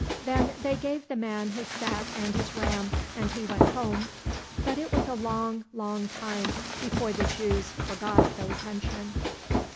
Then they gave the man his sack and his ram, and he went home, but it was a long, long time before the Jews forgot those henchmen.